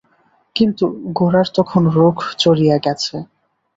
কিন্তু গোরার তখন রোখ চড়িয়া গেছে।